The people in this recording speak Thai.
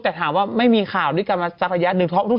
แต่ถามว่าเลิกจริงหรือกันจริงไม่รู้